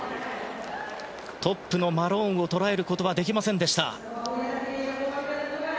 トップのマローンを捉えることはできませんでした。